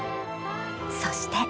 そして。